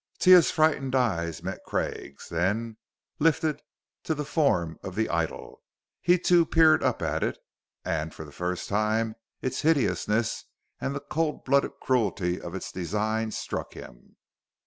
Taia's frightened eyes met Craig's, then lifted to the form of the idol. He too peered up at it, and for the first time its hideousness and the cold blooded cruelty of its design struck him.